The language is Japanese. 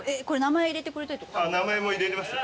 名前も入れれますよ